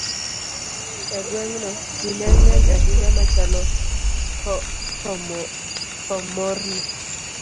E gweng'no, ji ne ng'eny ahinya machalo thomorni